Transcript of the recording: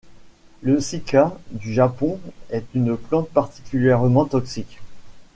Le cycas du Japon est une plante particulièrement toxique.